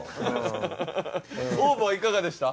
ＯＷＶはいかがでした？